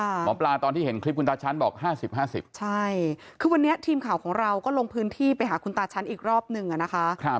หมอปลาตอนที่เห็นคลิปคุณตาชั้นบอก๕๐๕๐ใช่คือวันนี้ทีมข่าวของเราก็ลงพื้นที่ไปหาคุณตาชั้นอีกรอบหนึ่งอะนะคะ